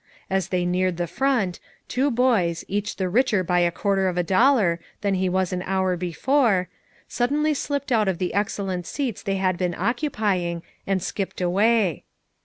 As they neared the front, two boys, each the richer by a quarter of a dollar then he was an hour before, suddenly slipped out of the excellent seats they had been occupying and skipped away.